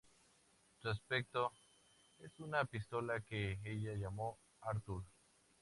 Su aspecto es una pistola que ella llamó "Arthur".